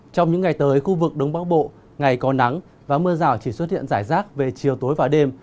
trong những ngày tới khu vực đông bắc bộ ngày có nắng và mưa rào chỉ xuất hiện rải rác về chiều tối và đêm